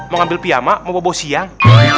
mau ambil pyama mau bawa siang